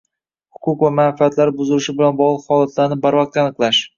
Huquq va manfaatlari buzilishi bilan bog'liq holatlarni barvaqt aniqlash